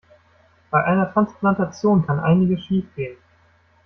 Bei einer Transplantation kann einiges schiefgehen.